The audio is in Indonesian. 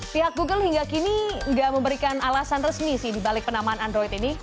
pihak google hingga kini nggak memberikan alasan resmi sih dibalik penamaan android ini